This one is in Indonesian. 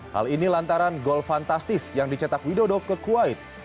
hal ini lantaran gol fantastis yang dicetak widodo ke kuwait